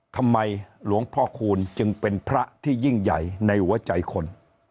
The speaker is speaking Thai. หลวงพ่อคูณจึงเป็นพระที่ยิ่งใหญ่ในหัวใจคน